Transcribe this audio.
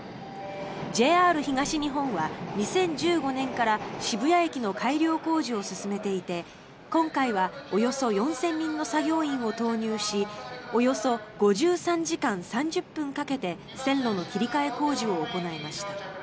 ＪＲ東日本は２０１５年から渋谷駅の改良工事を進めていて今回はおよそ４０００人の作業員を投入しおよそ５３時間３０分かけて線路の切り替え工事を行いました。